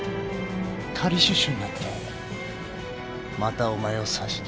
仮出所になってまたお前を刺しに来る。